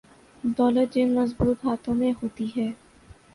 دولت جن مضبوط ہاتھوں میں ہوتی ہے۔